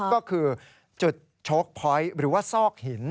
ก็คือจุดโชคพอยต์หรือว่าซอกหิน